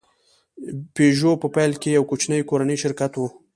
پيژو په پیل کې یو کوچنی کورنی شرکت و.